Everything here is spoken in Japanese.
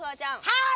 はい！